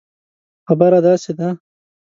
خبره داسي ده